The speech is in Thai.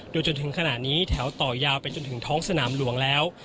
โดยจนถึงขณะนี้แถวต่อยาวไปจนถึงท้องสนามหลวงแล้ว